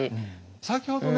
先ほどね